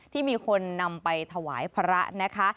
ที่มีคนนำไปถวายพระนะคะ